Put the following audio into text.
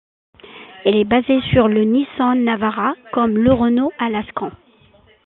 Il est basé sur le Nissan Navara, comme le Renault Alaskan.